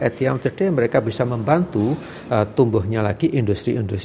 at the end of the day mereka bisa membantu tumbuhnya lagi industri itu